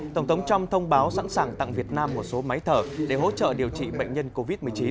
tổng thống trump thông báo sẵn sàng tặng việt nam một số máy thở để hỗ trợ điều trị bệnh nhân covid một mươi chín